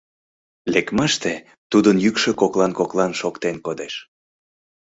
Лекмаште тудын йӱкшӧ коклан-коклан шоктен кодеш: